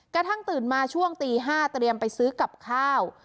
กระทั่งตื่นมาช่วงตี๕เตรียมไปซื้อกับข้าว